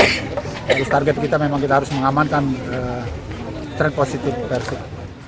bagus target kita memang kita harus mengamankan tren positif persib